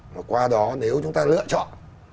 mà qua đó nếu chúng ta lựa chọn